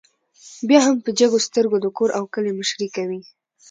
بيا هم په جګو سترګو د کور او کلي مشري کوي